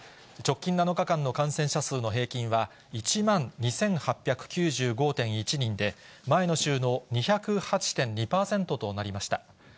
直近７日間の感染者数の平均は、１万２８９５．１人で、前の週の２０８．２％となりました。